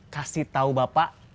kasih tau bapak